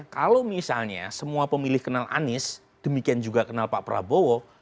jadi kebetulan semua pemilih kenal anies demikian juga kenal pak prabowo